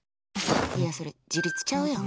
いや、それ自立ちゃうやん。